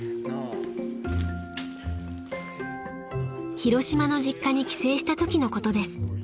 ［広島の実家に帰省したときのことです］